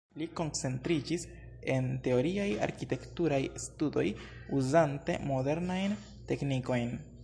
Li koncentriĝis en teoriaj arkitekturaj studoj uzante modernajn teknikojn.